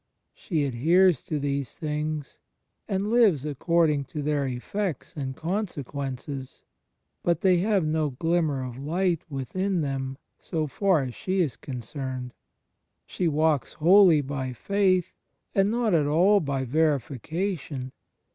She ad heres to these things, and lives according to their effects and consequences: but they have no glimmer of light within them so far as she is concerned. She walks wholly by faith, and not at all by verification.